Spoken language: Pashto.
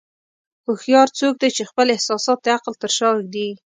هوښیار څوک دی چې خپل احساسات د عقل تر شا ږدي.